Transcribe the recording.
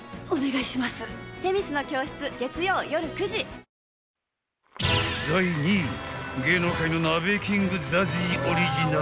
パワーカーブ⁉［第２位芸能界の鍋キングＺＡＺＹオリジナル］